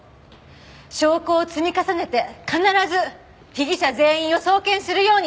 証拠を積み重ねて必ず被疑者全員を送検するように！